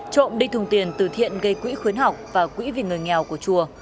trộm đi thùng tiền từ thiện gây quỹ khuyến học và quỹ vì người nghèo của chùa